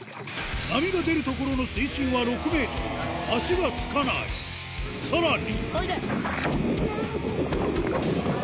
波が出る所の水深は６ｍ足が着かないさらに